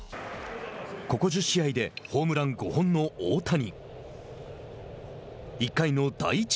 ここ１０試合でホームラン５本の大谷。